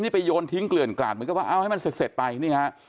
นี่ไปโยนทิ้งเกลื่อนกราดเหมือนกับว่าเอาให้มันเสร็จไปนี่ฮะ